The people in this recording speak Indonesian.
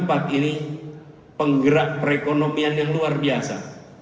menjadi tempat ini penggerak perekonomian yang luar biasa